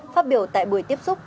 phát biểu tại buổi tiếp xúc